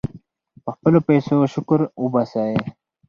په خپلو پیسو شکر وباسئ.